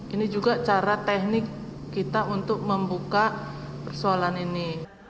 ini juga cara teknik kita untuk membuka persoalan ini